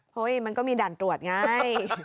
มันก็มีด่านตรวจไง